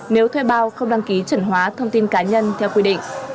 nếu thuê bao không đăng ký chuẩn hóa thông tin cá nhân theo quy định